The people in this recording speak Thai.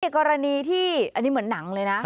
กรณีที่อันนี้เหมือนหนังเลยนะ